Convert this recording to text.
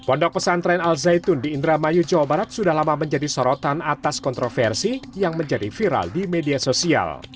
pondok pesantren al zaitun di indramayu jawa barat sudah lama menjadi sorotan atas kontroversi yang menjadi viral di media sosial